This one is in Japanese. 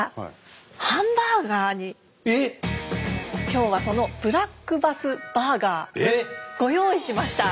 今日はそのブラックバスバーガーご用意しました。